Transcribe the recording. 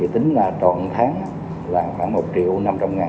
tính là trọn tháng là khoảng một triệu năm trăm linh ngàn cho một người